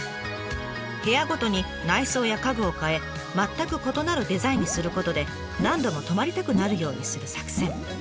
部屋ごとに内装や家具を変え全く異なるデザインにすることで何度も泊まりたくなるようにする作戦。